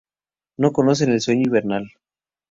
No conocen el sueño invernal.